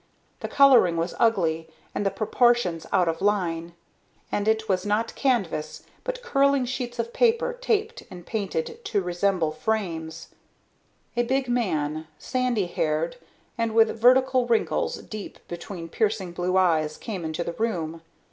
The coloring was ugly and the proportions out of line. And it was not canvas but curling sheets of paper taped and painted to resemble frames! A big man, sandy haired and with vertical wrinkles deep between piercing blue eyes, came into the room.